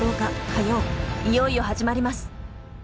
いよいよ始まります。